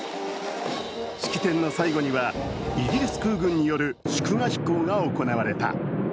式典の最後にはイギリス空軍による、祝賀飛行が行われた。